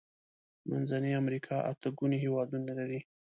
منځنۍ امريکا اته ګونې هيوادونه لري.